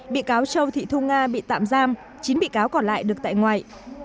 bị cáo châu thị thu nga bị tạm giam chín bị cáo còn lại được tại ngoại